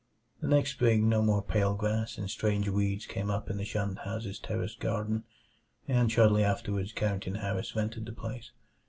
The next spring no more pale grass and strange weeds came up in the shunned house's terraced garden, and shortly afterward Carrington Harris rented the place.